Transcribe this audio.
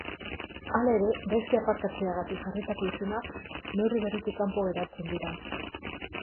Hala ere, gaizki aparkatzeagatik jarritako isunak neurri berritik kanpo geratzen dira.